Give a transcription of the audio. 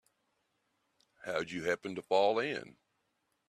How'd you happen to fall in?